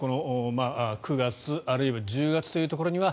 ９月、あるいは１０月というところには。